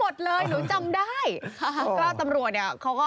ทำไมมีเยอะจัง